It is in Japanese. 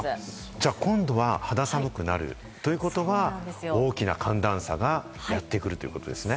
じゃあ、今度は肌寒くなるということは、大きな寒暖差がやってくるということですね。